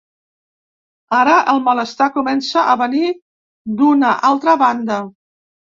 Ara el malestar comença a venir d’una altra banda.